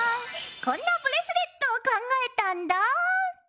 こんなブレスレットを考えたんだ！